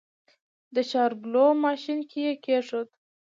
د شاربلو ماشين کې يې کېښود.